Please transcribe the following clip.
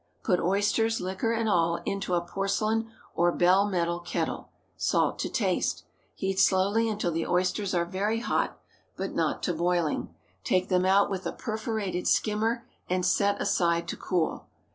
Put oysters, liquor and all, into a porcelain or bell metal kettle. Salt to taste. Heat slowly until the oysters are very hot, but not to boiling. Take them out with a perforated skimmer, and set aside to cool.